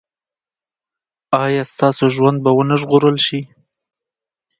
ایا ستاسو ژوند به و نه ژغورل شي؟